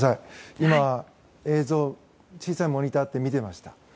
今、映像を小さいモニターがあって見てました。